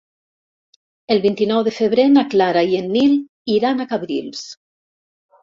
El vint-i-nou de febrer na Clara i en Nil iran a Cabrils.